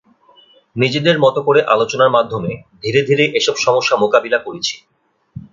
নিজেদের মতো করে আলোচনার মাধ্যমে ধীরে ধীরে এসব সমস্যা মোকাবিলা করেছি।